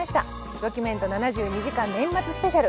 「ドキュメント７２時間年末スペシャル」。